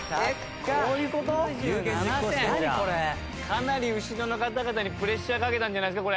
かなり後ろの方々にプレッシャーかけたんじゃないですか？